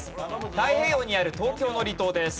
太平洋にある東京の離島です。